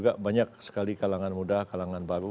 juga banyak sekali kalangan muda kalangan baru